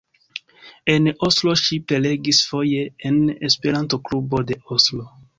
En Oslo ŝi prelegis foje en Esperanto-klubo de Oslo.